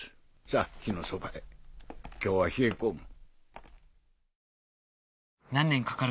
さぁ火のそばへ今日は冷え込む。